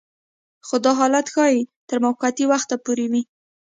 خو دا حالت ښايي تر موقتي وخته پورې وي